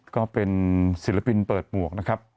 ก็เป็นศิลปินเปิดหมวกนะครับ